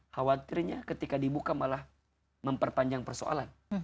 khawatirnya ketika dibuka malah memperpanjang persoalan